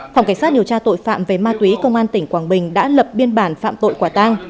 phòng cảnh sát điều tra tội phạm về ma túy công an tỉnh quảng bình đã lập biên bản phạm tội quả tang